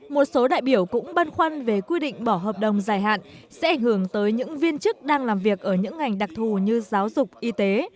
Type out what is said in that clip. một số đại biểu cũng băn khoăn về quy định bỏ hợp đồng dài hạn sẽ ảnh hưởng tới những viên chức đang làm việc ở những ngành đặc thù như giáo dục y tế